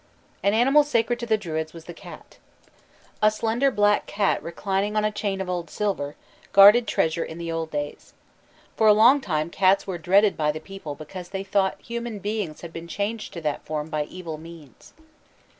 An animal sacred to the Druids was the cat. "A slender black cat reclining on a chain of old silver" guarded treasure in the old days. For a long time cats were dreaded by the people because they thought human beings had been changed to that form by evil means.